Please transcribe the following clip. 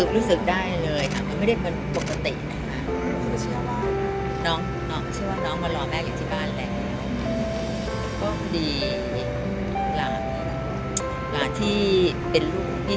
รู้สึกได้เลยมันไม่เป็นปกติ